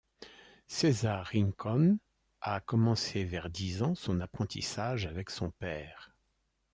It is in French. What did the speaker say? César Rincón a commencé vers dix ans son apprentissage avec son père.